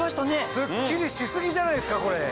スッキリし過ぎじゃないですかこれ！